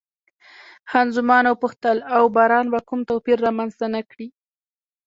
خان زمان وپوښتل، او باران به کوم توپیر رامنځته نه کړي؟